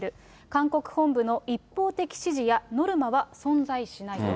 韓国本部の一方的指示やノルマは存在しないと。